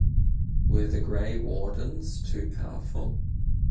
Were the Grey Wardens too powerful?